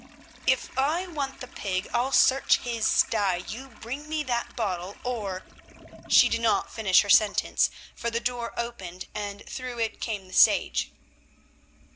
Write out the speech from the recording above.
"If I want the pig, I'll search his stye. You bring that bottle, or——" She did not finish her sentence, for the door opened, and through it came the sage.